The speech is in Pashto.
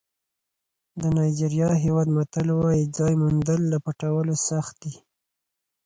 د نایجېریا هېواد متل وایي ځای موندل له پټولو سخت دي.